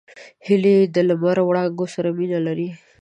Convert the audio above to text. هیلۍ د لمر وړانګو سره مینه لري